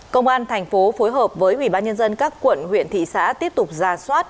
công an thành phố phối hợp với ubnd các quận huyện thị xã tiếp tục ra soát